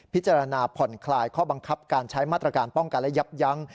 พิจารณาผ่อนคลายข้อบังคับการใช้มาตรการป้องกันและยับยั้ง